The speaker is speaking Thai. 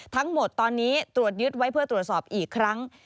ทั้งหมดตอนนี้ตรวจยึดไว้เพื่อตรวจสอบอีกครั้ง